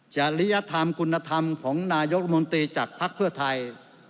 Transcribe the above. จริยธรรมคุณธรรมของนายกรมนตรีจากภักดิ์เพื่อไทย